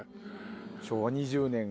昭和２０年が。